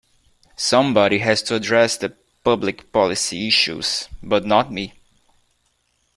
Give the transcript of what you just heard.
Somebody has to address the public policy issues - but not me.